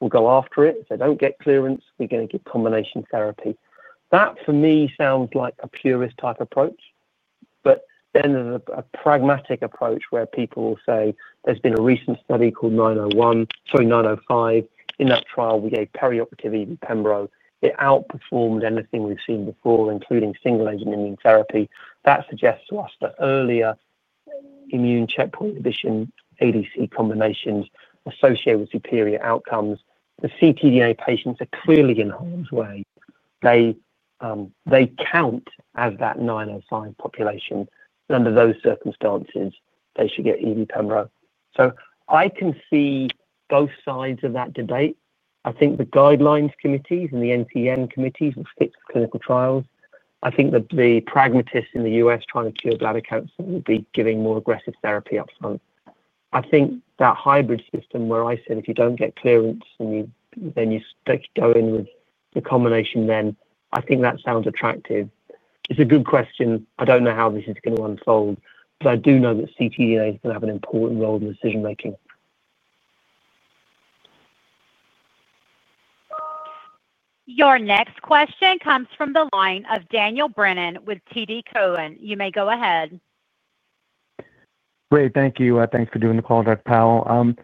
Speaker 3: we'll go after it. If they don't get clearance, we're going to give combination therapy." That, for me, sounds like a purist type approach. There's a pragmatic approach where people will say there's been a recent study called 901, sorry, 905. In that trial, we gave perioperative EV/pembro. It outperformed anything we've seen before, including single agent immune therapy. That suggests to us that earlier immune checkpoint inhibition antibody-drug conjugate combinations are associated with superior outcomes. The circulating tumor DNA patients are clearly in harm's way. They count as that 905 population. Under those circumstances, they should get EV/pembro. I can see both sides of that debate. I think the guidelines committees and the NCCN committees will stick to clinical trials. I think that the pragmatists in the U.S. trying to cure bladder cancer will be giving more aggressive therapy upfront. I think that hybrid system where I said if you don't get clearance and then you go in with the combination, then I think that sounds attractive. It's a good question. I don't know how this is going to unfold, but I do know that circulating tumor DNA is going to have an important role in decision-making.
Speaker 1: Your next question comes from the line of Daniel Brennan with TD Cowen. You may go ahead.
Speaker 7: Great. Thank you. Thanks for doing the call, Professor Powles.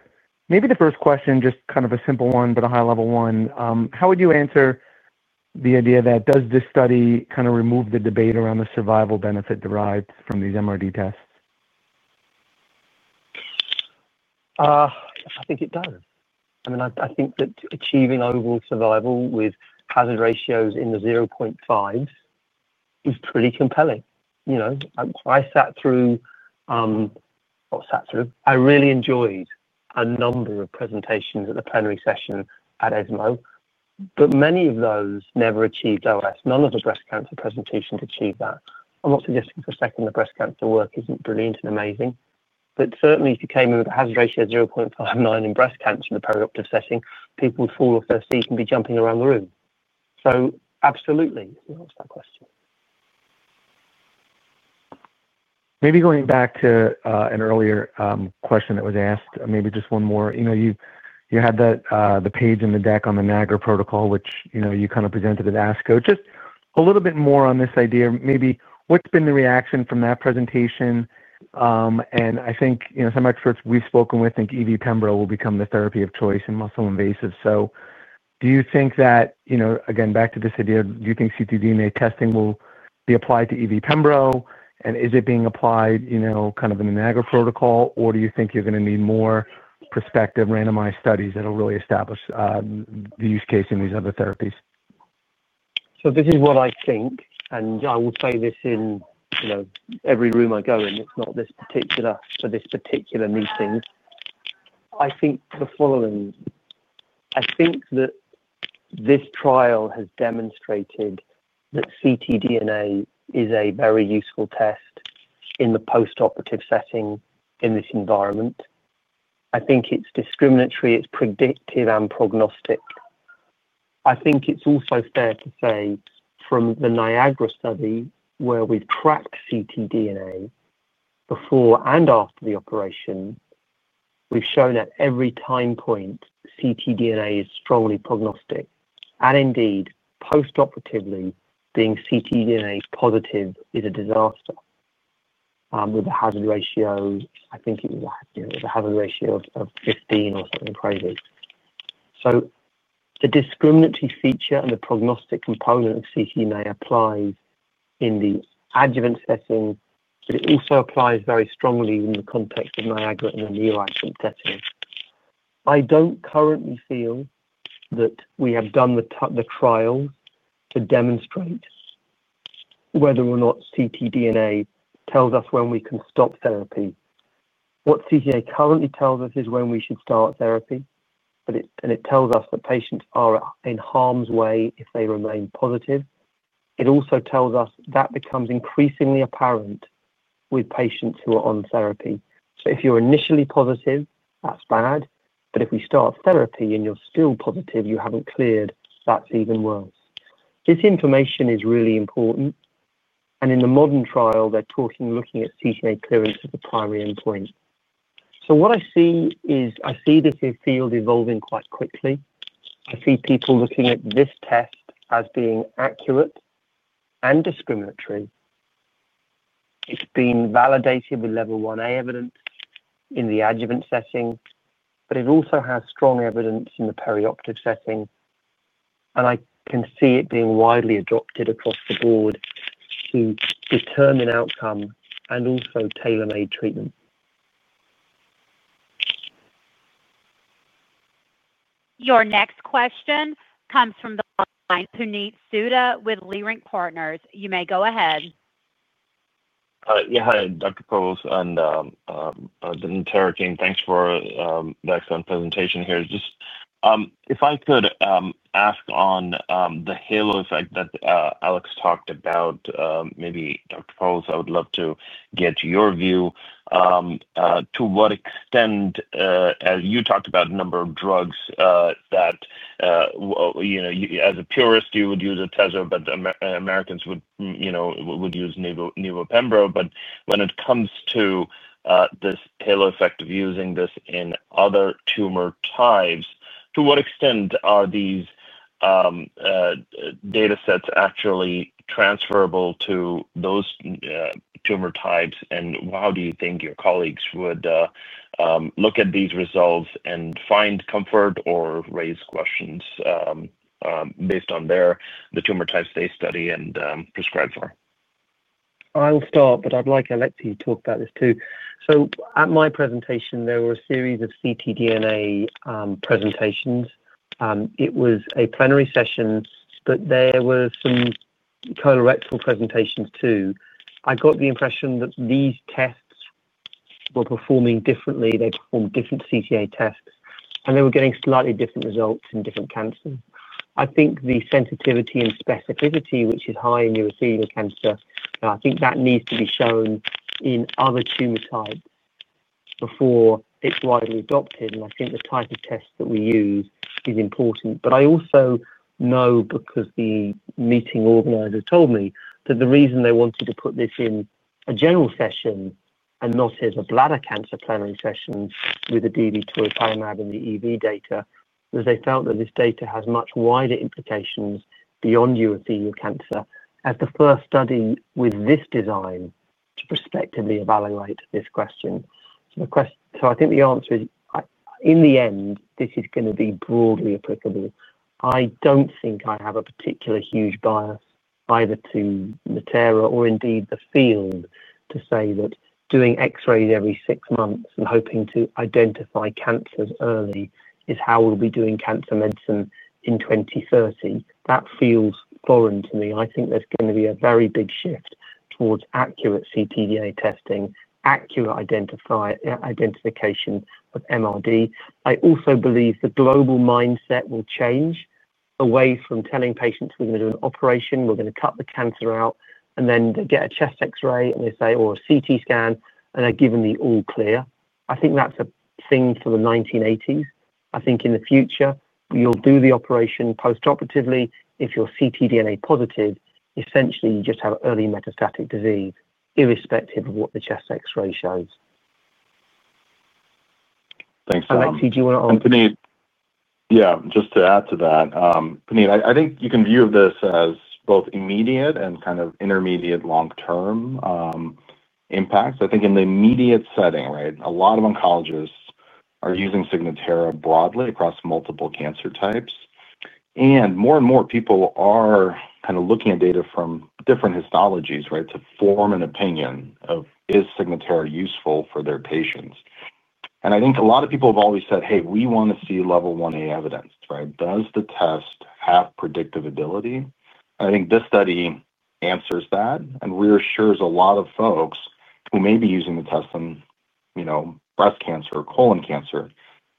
Speaker 7: Maybe the first question, just kind of a simple one, but a high-level one. How would you answer the idea that does this study kind of remove the debate around the survival benefit derived from these MRD tests?
Speaker 3: I think it does. I mean, I think that achieving overall survival with hazard ratios in the 0.5s is pretty compelling. I really enjoyed a number of presentations at the plenary session at ESMO, but many of those never achieved OS. None of the breast cancer presentations achieved that. I'm not suggesting for a second the breast cancer work isn't brilliant and amazing. Certainly, if you came in with a hazard ratio of 0.59 in breast cancer in the perioperative setting, people would fall off their seat and be jumping around the room. Absolutely, if you ask that question.
Speaker 7: Maybe going back to an earlier question that was asked, maybe just one more. You had the page in the deck on the NIAGARA protocol, which you presented at ASCO. Just a little bit more on this idea. What's been the reaction from that presentation? I think some experts we've spoken with think EV/pembro will become the therapy of choice in muscle invasives. Do you think that, again, back to this idea, do you think ctDNA testing will be applied to EV/pembro? Is it being applied in the NIAGARA protocol? Do you think you're going to need more prospective randomized studies that will really establish the use case in these other therapies?
Speaker 3: This is what I think. I will say this in every room I go in. It's not for this particular meeting. I think the following. I think that this trial has demonstrated that ctDNA is a very useful test in the postoperative setting in this environment. I think it's discriminatory, it's predictive, and prognostic. It's also fair to say from the NIAGARA study, where we've tracked ctDNA before and after the operation, we've shown at every time point ctDNA is strongly prognostic. Indeed, postoperatively, being ctDNA positive is a disaster. With the hazard ratio, I think it was a hazard ratio of 15 or something crazy. The discriminatory feature and the prognostic component of ctDNA applies in the adjuvant setting, but it also applies very strongly in the context of NIAGARA in the neoadjuvant setting. I don't currently feel that we have done the trials to demonstrate whether or not ctDNA tells us when we can stop therapy. What ctDNA currently tells us is when we should start therapy, and it tells us that patients are in harm's way if they remain positive. It also tells us that becomes increasingly apparent with patients who are on therapy. If you're initially positive, that's bad, but if we start therapy and you're still positive, you haven't cleared, that's even worse. This information is really important. In the MODERN trial, they're looking at ctDNA clearance as a primary endpoint. What I see is I see this field evolving quite quickly. I see people looking at this test as being accurate and discriminatory. It's been validated with Level 1A evidence in the adjuvant setting, but it also has strong evidence in the perioperative setting. I can see it being widely adopted across the board to determine outcome and also tailor-made treatment.
Speaker 1: Your next question comes from the line of Puneet Souda with Leerink Partners. You may go ahead.
Speaker 8: Yeah. Hi, Dr. Powles and the entire team. Thanks for the excellent presentation here. If I could ask on the halo effect that Alex talked about, maybe Dr. Powles, I would love to get your view. To what extent, as you talked about a number of drugs that, you know, as a purist, you would use atezolizumab, but Americans would use nivo or pembro. When it comes to this halo effect of using this in other tumor types, to what extent are these data sets actually transferable to those tumor types? How do you think your colleagues would look at these results and find comfort or raise questions based on the tumor types they study and prescribe for?
Speaker 3: I'll start, but I'd like Alexey to talk about this too. At my presentation, there were a series of ctDNA presentations. It was a plenary session, but there were some colorectal presentations too. I got the impression that these tests were performing differently. They performed different ctDNA tests, and they were getting slightly different results in different cancers. I think the sensitivity and specificity, which is high in urothelial cancer, needs to be shown in other tumor types before it's widely adopted. I think the type of tests that we use is important. I also know because the meeting organizers told me that the reason they wanted to put this in a general session and not as a bladder cancer plenary session with the DV toripalimab in the EV data was they felt that this data has much wider implications beyond urothelial cancer as the first study with this design to prospectively evaluate this question. I think the answer is, in the end, this is going to be broadly applicable. I don't think I have a particular huge bias either to Natera or indeed the field to say that doing X-rays every six months and hoping to identify cancers early is how we'll be doing cancer medicine in 2030. That feels foreign to me. I think there's going to be a very big shift towards accurate ctDNA testing, accurate identification of minimal residual disease. I also believe the global mindset will change away from telling patients, "We're going to do an operation. We're going to cut the cancer out." Then they get a chest X-ray, and they say, or a CT scan, and they're given the all-clear. I think that's a thing from the 1980s. In the future, you'll do the operation postoperatively. If you're ctDNA positive, essentially, you just have early metastatic disease, irrespective of what the chest X-ray shows.
Speaker 4: Thanks, Tom.
Speaker 3: Alexey, do you want to?
Speaker 4: Yeah. Just to add to that, Puneet, I think you can view this as both immediate and kind of intermediate long-term impacts. I think in the immediate setting, a lot of oncologists are using Signatera broadly across multiple cancer types. More and more, people are looking at data from different histologies to form an opinion of is Signatera useful for their patients. I think a lot of people have always said, "Hey, we want to see Level 1A evidence, right? Does the test have predictive ability?" I think this study answers that and reassures a lot of folks who may be using the test on breast cancer or colon cancer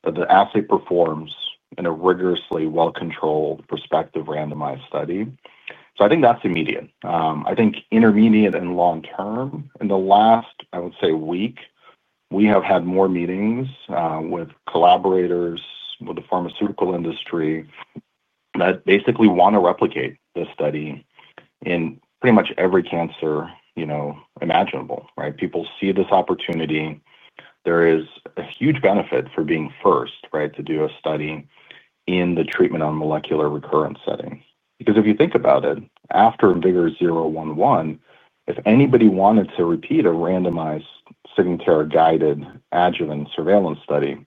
Speaker 4: that the assay performs in a rigorously well-controlled prospective randomized study. I think that's immediate. I think intermediate and long term, in the last, I would say, week, we have had more meetings with collaborators with the pharmaceutical industry that basically want to replicate this study in pretty much every cancer imaginable. People see this opportunity. There is a huge benefit for being first to do a study in the treatment on molecular recurrence setting. If you think about it, after IMvigor011, if anybody wanted to repeat a randomized Signatera-guided adjuvant surveillance study,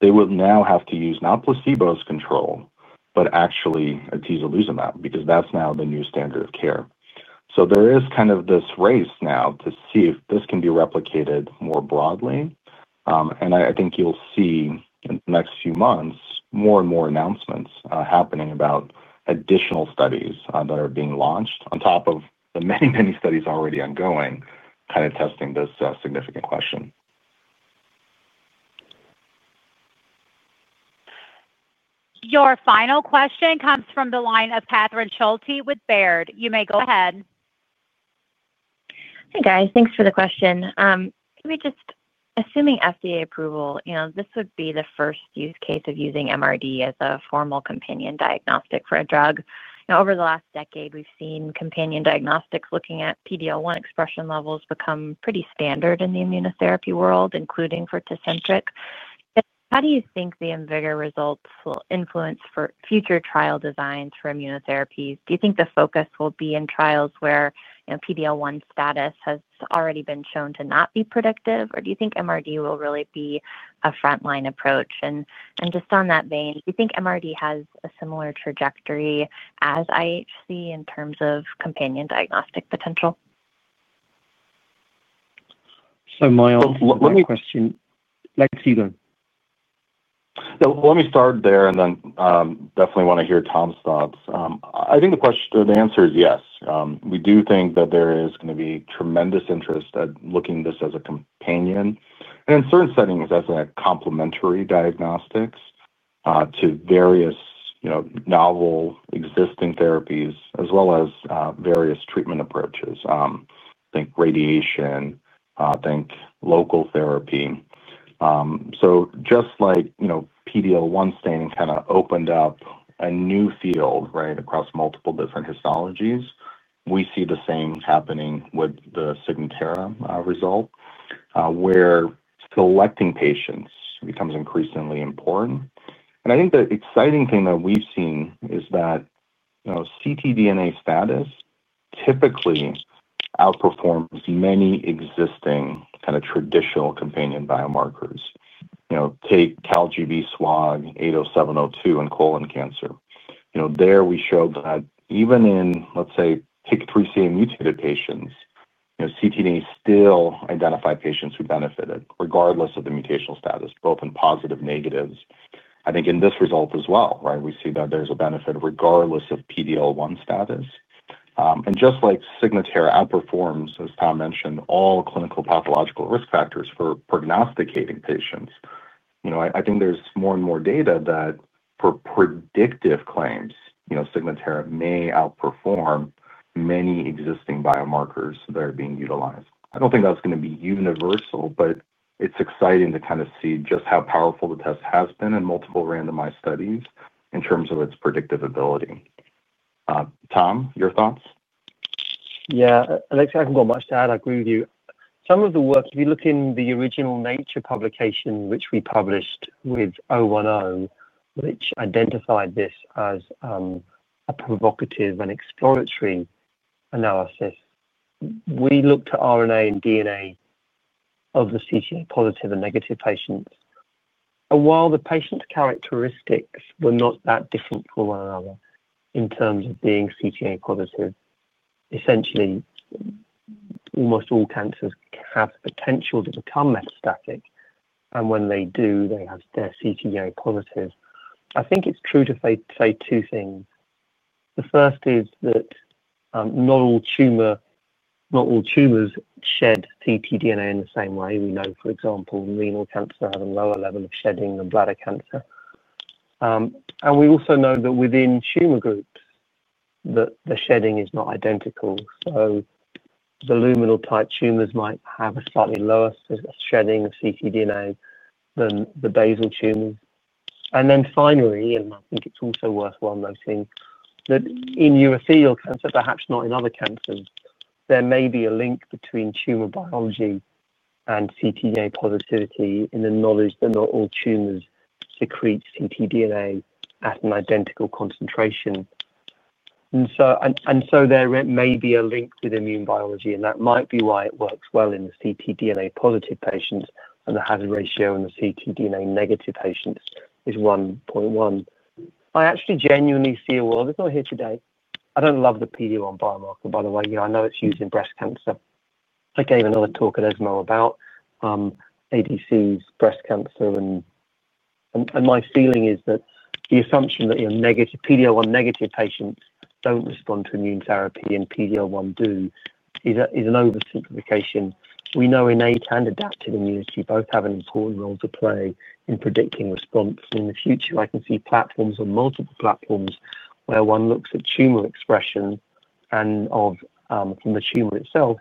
Speaker 4: they would now have to use not placebo as control, but actually atezolizumab because that's now the new standard of care. There is kind of this race now to see if this can be replicated more broadly. I think you'll see in the next few months more and more announcements happening about additional studies that are being launched on top of the many, many studies already ongoing testing this significant question.
Speaker 1: Your final question comes from the line of Catherine Schulte with Baird. You may go ahead.
Speaker 9: Hey, guys. Thanks for the question. I mean, just assuming FDA approval, you know, this would be the first use case of using MRD as a formal companion diagnostic for a drug. Over the last decade, we've seen companion diagnostics looking at PD-L1 expression levels become pretty standard in the immunotherapy world, including for Tecentriq. How do you think the IMvigor results will influence future trial designs for immunotherapies? Do you think the focus will be in trials where PD-L1 status has already been shown to not be predictive, or do you think MRD will really be a frontline approach? Just on that vein, do you think MRD has a similar trajectory as IHC in terms of companion diagnostic potential?
Speaker 3: My only question, Alexey, then.
Speaker 4: Let me start there, and then definitely want to hear Tom's thoughts. I think the question or the answer is yes. We do think that there is going to be tremendous interest at looking at this as a companion and in certain settings as a complementary diagnostics to various novel existing therapies, as well as various treatment approaches. I think radiation, I think local therapy. Just like PD-L1 staining kind of opened up a new field across multiple different histologies, we see the same happening with the Signatera result, where selecting patients becomes increasingly important. The exciting thing that we've seen is that ctDNA status typically outperforms many existing kind of traditional companion biomarkers. Take CALGB/SWOG 80702 in colon cancer. There we showed that even in, let's say, PIK3CA mutated patients, ctDNA still identified patients who benefited regardless of the mutational status, both in positive and negatives. In this result as well, we see that there's a benefit regardless of PD-L1 status. Just like Signatera outperforms, as Tom mentioned, all clinical pathological risk factors for prognosticating patients, I think there's more and more data that for predictive claims, Signatera may outperform many existing biomarkers that are being utilized. I don't think that's going to be universal, but it's exciting to kind of see just how powerful the test has been in multiple randomized studies in terms of its predictive ability. Tom, your thoughts?
Speaker 3: Yeah. Alexey, I don't have much to add. I agree with you. Some of the work, if you look in the original Nature publication, which we published with IMvigor010, which identified this as a provocative and exploratory analysis, we looked at RNA and DNA of the ctDNA positive and negative patients. While the patient's characteristics were not that different from one another in terms of being ctDNA positive, essentially, almost all cancers have the potential to become metastatic. When they do, they have their ctDNA positive. I think it's true to say two things. The first is that not all tumors shed ctDNA in the same way. We know, for example, renal cancer has a lower level of shedding than bladder cancer. We also know that within tumor groups, the shedding is not identical. The luminal type tumors might have a slightly lower shedding of ctDNA than the basal tumors. Finally, I think it's also worthwhile noting that in urothelial cancer, perhaps not in other cancers, there may be a link between tumor biology and ctDNA positivity in the knowledge that not all tumors secrete ctDNA at an identical concentration. There may be a link with immune biology. That might be why it works well in the ctDNA positive patients and the hazard ratio in the ctDNA negative patients is 1.1. I actually genuinely see a world. It's not here today. I don't love the PD-L1 biomarker, by the way. I know it's used in breast cancer. I gave another talk at ESMO Congress about ADCs, breast cancer. My feeling is that the assumption that PD-L1 negative patients don't respond to immune therapy and PD-L1 positive do is an oversimplification. We know innate and adapted immunity both have an important role to play in predicting response. In the future, I can see platforms or multiple platforms where one looks at tumor expression and from the tumor itself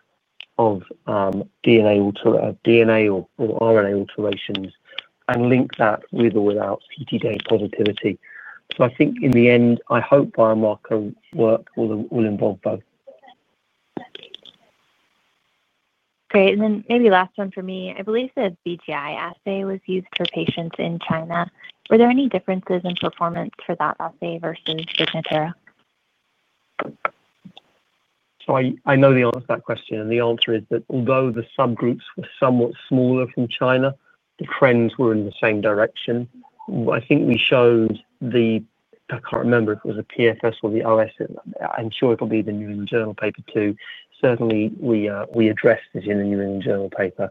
Speaker 3: of DNA or RNA alterations and link that with or without ctDNA positivity. I think in the end, I hope biomarker work will involve both.
Speaker 9: Great. Maybe last one for me. I believe the BTI assay was used for patients in China. Were there any differences in performance for that assay versus Signatera?
Speaker 3: I know the answer to that question. The answer is that although the subgroups were somewhat smaller from China, the trends were in the same direction. I think we showed the, I can't remember if it was a PFS or the OS. I'm sure it'll be in the New England Journal of Medicine paper too. Certainly, we addressed this in the New England Journal of Medicine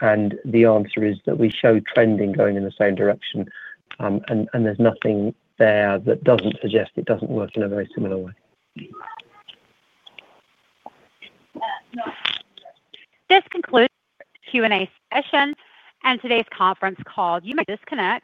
Speaker 3: paper. The answer is that we showed trending going in the same direction. There's nothing there that doesn't suggest it doesn't work in a very similar way.
Speaker 1: This concludes the Q&A session and today's conference call. You may disconnect.